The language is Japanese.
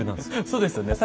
そうですよね。